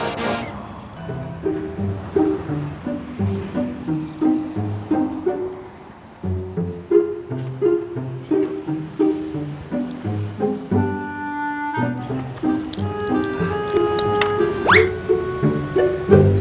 oke kita cari tempat yang bagus